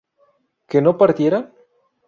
¿que no partieran?